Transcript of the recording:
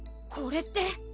これって。